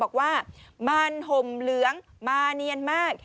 บอกว่ามันห่มเหลืองมาเนียนมาก